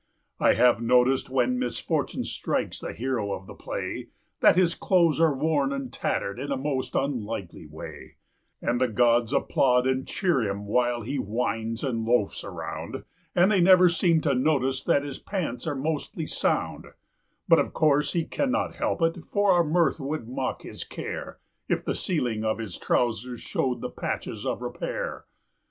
I have noticed when misfortune strikes the hero of the play That his clothes are worn and tattered in a most unlikely way ; And the gods applaud and cheer him while he whines and loafs around, But they never seem to notice that his pants are mostly sound ; Yet, of course, he cannot help it, for our mirth would mock his care If the ceiling of his trousers showed the patches of repair.